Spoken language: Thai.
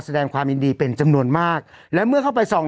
แสดงความยินดีเป็นจำนวนมากและเมื่อเข้าไปส่อง